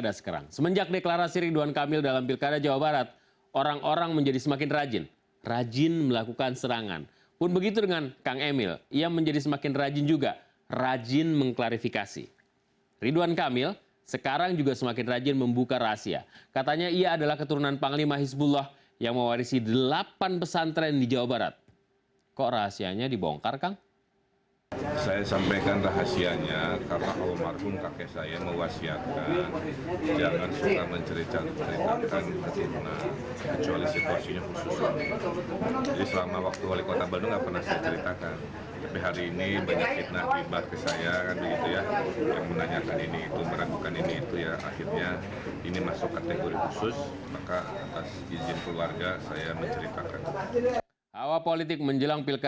demi kehidupan yang demikian terakukannya media komunis bidra delapan puluh dua versus bkp